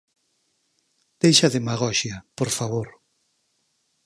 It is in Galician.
Deixe a demagoxia, por favor.